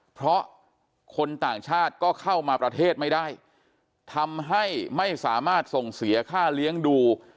เพราะคนต่างชาติก็เข้ามาประเทศไม่ได้ทำให้ไม่สามารถส่งเสียค่าเลี้ยงดู